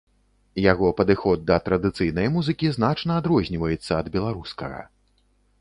Яго падыход да традыцыйнай музыкі значна адрозніваецца ад беларускага.